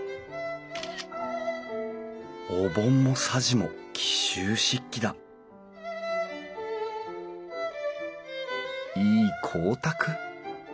お盆もさじも紀州漆器だいい光沢！